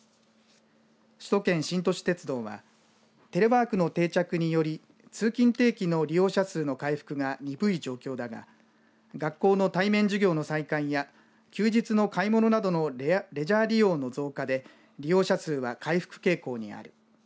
首都圏新都市鉄道はテレワークの定着により通勤定期の利用者数の回復がにぶい状況だが学校の対面授業の再開や休日の買い物などのレジャー利用の増加で利用者数は回復傾向にある。